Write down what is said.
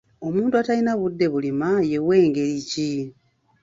Omuntu atalina budde bulima ye w'engeri ki?